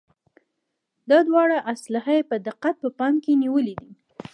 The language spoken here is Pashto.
دا دواړه اصله یې په دقت په پام کې نیولي دي.